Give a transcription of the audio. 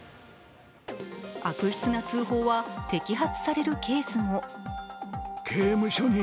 悪質な通報は摘発されるケースも。